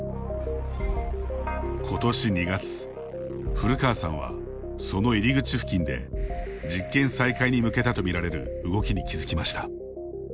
ことし２月、古川さんはその入り口付近で実験再開に向けたと見られる動きに気付きました。